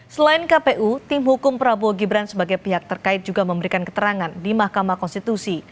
selain kpu tim hukum prabowo gibran sebagai pihak terkait juga memberikan keterangan di mahkamah konstitusi